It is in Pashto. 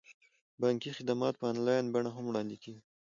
بانکي خدمات په انلاین بڼه هم وړاندې کیږي.